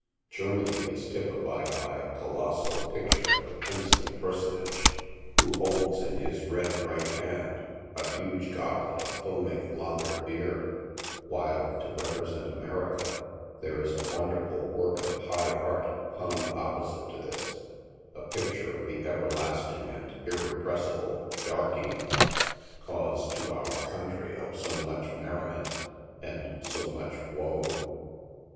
Germany is typified by a colossal picture of a princely personage, who holds in his red right hand a huge goblet of foaming lager bier, while, to represent America, there is a wonderful work of high art hung op posite to this — a picture of the everlasting and irrepressible " dar key" — cause to our country of so much merriment and so much woe.